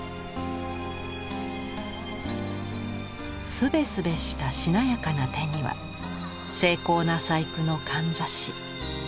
すべすべしたしなやかな手には精巧な細工のかんざし。